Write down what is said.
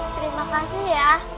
terima kasih ya